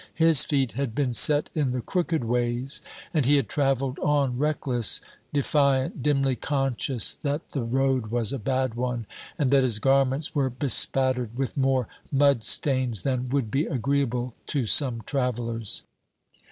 His feet had been set in the crooked ways, and he had travelled on, reckless, defiant, dimly conscious that the road was a bad one, and that his garments were bespattered with more mud stains than would be agreeable to some travellers.